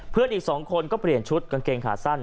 อีก๒คนก็เปลี่ยนชุดกางเกงขาสั้น